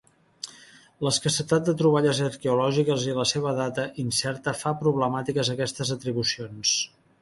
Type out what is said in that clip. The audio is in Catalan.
L'escassetat de troballes arqueològiques i la seva data incerta fa problemàtiques aquestes atribucions.